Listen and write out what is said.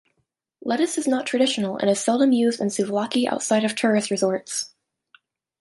Lettuce is not traditional and is seldom used in souvlaki outside of tourist resorts.